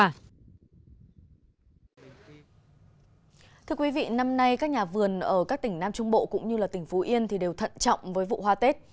năm nay các nhà vườn ở các tỉnh nam trung bộ cũng như tỉnh phú yên đều thận trọng với vụ hoa tết